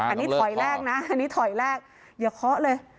อันนี้ถอยแรกนะอย่าเคาะเลย